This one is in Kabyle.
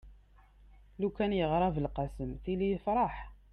lukan yeɣra belqsem tili yefreḥ